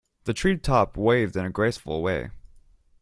The tree top waved in a graceful way.